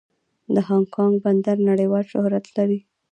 د هانګ کانګ بندر نړیوال شهرت لري.